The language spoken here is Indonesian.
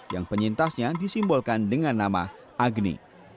yang penyintasnya disimbolkan dengan nama agni